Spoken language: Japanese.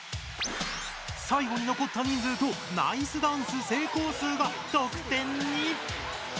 最後に残った人数とナイスダンス成功数が得点に！